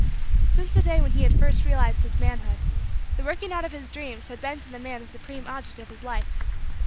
Since the day when he had first realized his manhood, the working out of his dreams had been to the man the supreme object of his life.